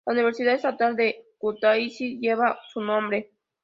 La universidad estatal de Kutaisi lleva su nombre.